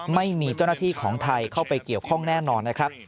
ไม่มีเจ้าหน้าที่ของไทยเข้าไปเกี่ยวข้องแน่นอนนะครับ